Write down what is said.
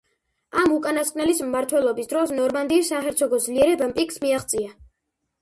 ამ უკანასკნელის მმართველობის დროს ნორმანდიის საჰერცოგოს ძლიერებამ პიკს მიაღწია.